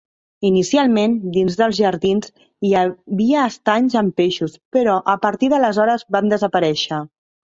Inicialment, dins dels jardins hi havia estanys amb peixos, però a partir d'aleshores van desaparèixer.